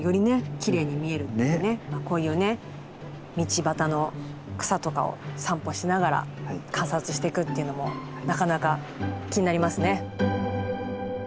こういうね道端の草とかを散歩しながら観察していくっていうのもなかなか気になりますね。